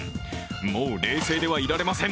もう冷静ではいられません。